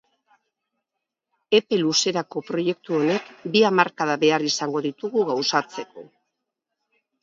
Epe luzerako proiektu honek, bi hamarkada behar izango ditugu gauzatzeko.